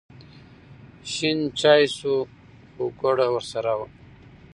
شین چای شو خو ګوړه ورسره وه.